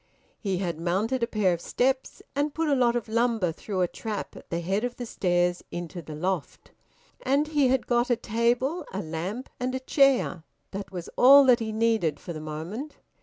He had mounted a pair of steps, and put a lot of lumber through a trap at the head of the stairs into the loft. And he had got a table, a lamp, and a chair. That was all that he needed for the moment.